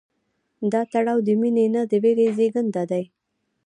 دا تړاو د مینې نه، د ویرې زېږنده دی.